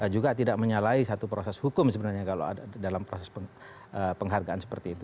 juga tidak menyalahi satu proses hukum sebenarnya kalau dalam proses penghargaan seperti itu